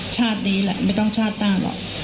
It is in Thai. ชาตินี้แหละไม่ต้องชาติหน้าหรอก